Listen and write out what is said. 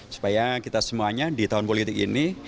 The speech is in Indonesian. supaya kita semuanya di tahun politik ini